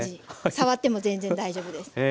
触っても全然大丈夫です。